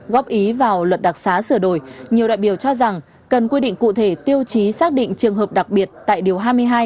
góp ý vào luật đặc xá sửa đổi nhiều đại biểu cho rằng cần quy định cụ thể tiêu chí xác định trường hợp đặc biệt tại điều hai mươi hai